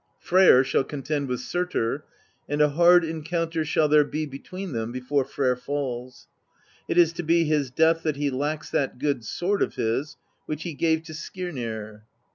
Freyr shall contend with Surtr, and a hard encounter shall there be between them before Freyr falls: it is to be his death that he lacks that good sword of his, which he gave to Skirnir.